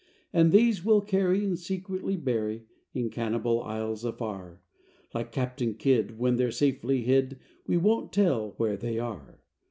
And these we'll carry and secretly bury In cannibal isles afar; Like Captain Kidd, when they're safely hid We won't tell where they are.